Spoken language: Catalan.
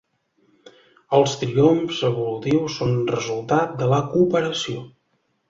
Els triomfs evolutius són resultat de la cooperació.